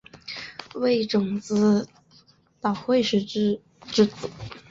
为种子岛惠时之子。